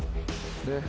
ねっ。